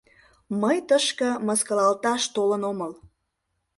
— Мый тышке мыскылалташ толын омыл!